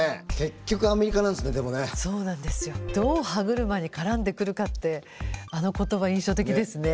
「どう歯車に絡んでくるか」ってあの言葉印象的ですね。